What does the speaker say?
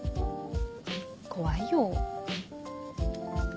怖いよ。